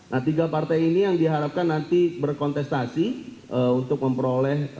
nah tiga partai ini yang diharapkan nanti berkontestasi untuk memperoleh